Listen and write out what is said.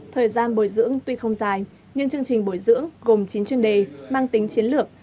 thời gian bồi dưỡng tuy không dài nhưng chương trình bồi dưỡng gồm chín chuyên đề mang tính chiến lược